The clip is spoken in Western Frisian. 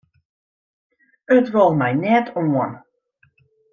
It wol my net oan.